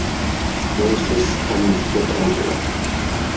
Moses M. Wetangula.